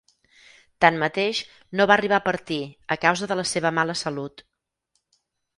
Tanmateix, no va arribar a partir, a causa de la seva mala salut.